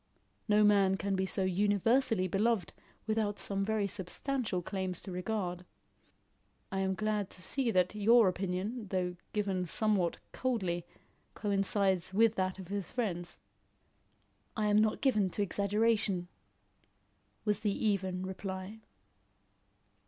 No man can be so universally beloved without some very substantial claims to regard. I am glad to see that your opinion, though given somewhat coldly, coincides with that of his friends." "I am not given to exaggeration," was the even reply.